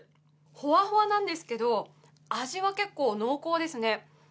ホワホワなんですが、味は結構濃厚ですね。